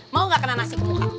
mau gak kena nasi ke muka